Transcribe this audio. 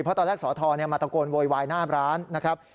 เพราะตอนแรกสอทรมาตะโกนโวยวายหน้าร้านนะครับ